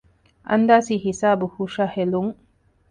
އަންދާސީ ހިސާބު ހުށަހެލުން